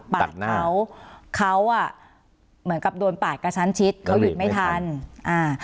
ปาดเขาเขาอ่ะเหมือนกับโดนปาดกระชั้นชิดเขาหยุดไม่ทันอ่า